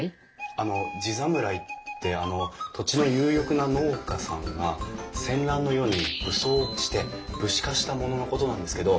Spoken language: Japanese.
あの地侍ってあの土地の有力な農家さんが戦乱の世に武装して武士化した者のことなんですけど。